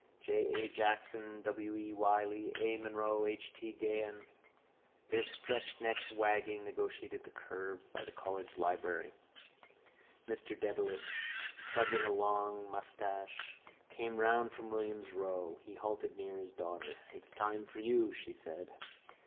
J. A. Jackson, W. E. Wylie, A. Munro and H. T. Gahan, their stretched necks wagging, negotiated the curve by the College library. Mr Dedalus, tugging a long moustache, came round from Williams's row. He halted near his daughter. —It's time for you, she said.